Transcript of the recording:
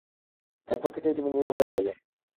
এরপর থেকেই তুমি নীরব হয়ে গেলে।